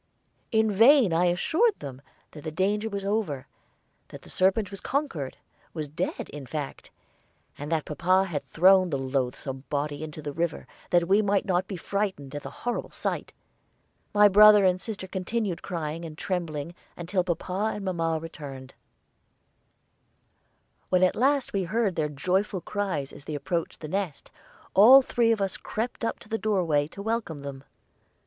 In vain I assured them that the danger was over, that the serpent was conquered was dead, in fact; and that papa had thrown the loathsome body into the river, that we might not be frightened at the horrible sight. My brother and sister continued crying and trembling until papa and mamma returned. [Illustration: "MY DARLINGS ARE SAVED."] When at last we heard their joyful cries as they approached the nest, all three of us crept up to the doorway to welcome them.